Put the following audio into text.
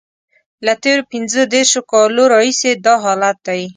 له تېرو پنځه دیرشو کالو راهیسې دا حالت دی.